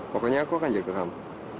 pokoknya aku akan jaga kamu